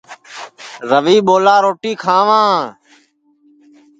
روی ٻولا روٹی کھاواں